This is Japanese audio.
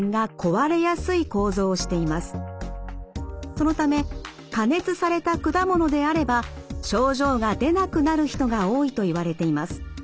そのため加熱された果物であれば症状が出なくなる人が多いといわれています。